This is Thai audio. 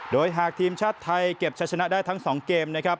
โดยหากทีมชาติไทยเก็บชะชนะได้ทั้ง๒เกมนะครับ